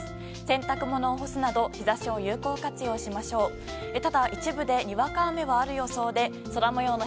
洗濯物を干すなど日差しを有効活用しましょう。